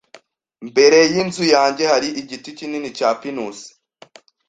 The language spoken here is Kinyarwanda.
Mbere yinzu yanjye hari igiti kinini cya pinusi.